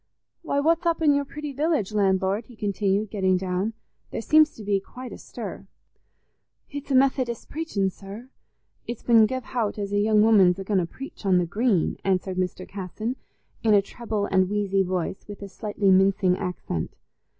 "Why, what's up in your pretty village, landlord?" he continued, getting down. "There seems to be quite a stir." "It's a Methodis' preaching, sir; it's been gev hout as a young woman's a going to preach on the Green," answered Mr. Casson, in a treble and wheezy voice, with a slightly mincing accent.